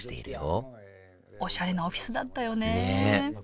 おしゃれなオフィスだったよねねえ